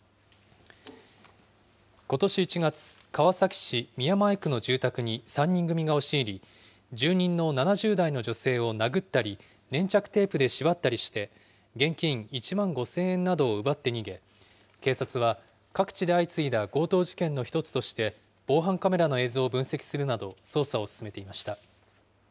ことし１月、川崎市宮前区の住宅で３人組が押し入り、住人の７０代の女性を殴ったり粘着テープで縛ったりして、現金１万５０００円などを奪って逃げ、警察は各地で相次いだ強盗事件の１つとして、防犯カメラの映像を分析するなど捜査を進めていました。